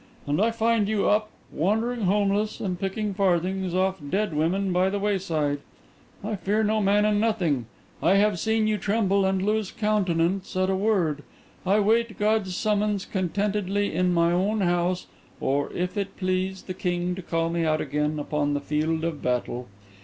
And I find you up, wandering homeless, and picking farthings off dead women by the wayside! I fear no man and nothing; I have seen you tremble and lose countenance at a word. I wait God's summons contentedly in my own house, or, if it please the king to call me out again, upon the field of battle.